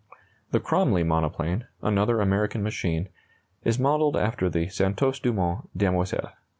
The Cromley monoplane, another American machine, is modelled after the Santos Dumont Demoiselle.